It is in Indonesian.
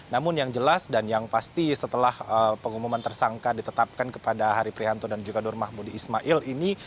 namun yang jelas dan yang pasti setelah pengumuman tersangka ditetapkan kepada hari prihanto dan juga nur mahmudi ismail ini